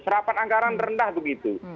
serapan anggaran rendah begitu